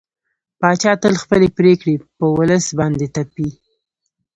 پاچا تل خپلې پرېکړې په ولس باندې تپي.